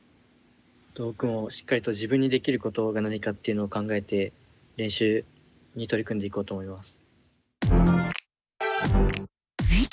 僕もしっかりと自分にできることが何かっていうのを考えて練習に取り組んでいこうと思います。